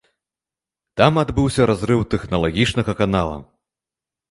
Там адбыўся разрыў тэхналагічнага канала.